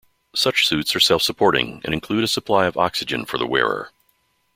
Such suits are self-supporting, and include a supply of oxygen for the wearer.